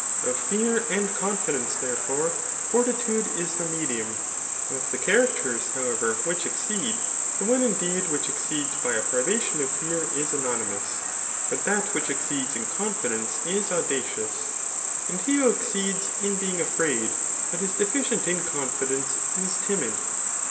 Of fear and confidence, fhifrefore, fortitude is the medium. Of the characters, liowever, which exceed, the one indeed which exceeds by ft 'privation of fear is anonymous; but that which ex 64kds in confidence is audacious. And he who exceeds ih being afraid, but is deficient in confidence, is timid.